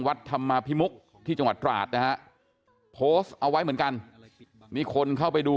วัดธรรมาพิมุกที่จังหวัดตราดนะฮะโพสต์เอาไว้เหมือนกันมีคนเข้าไปดู